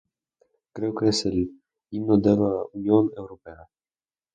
Creo que es el Himno de la Unión Europea